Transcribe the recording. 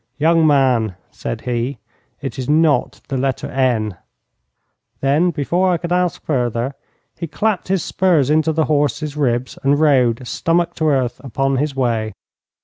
'Young man,' said he, 'it is not the letter N.' Then before I could ask further he clapped his spurs into his horses ribs and rode, stomach to earth, upon his way.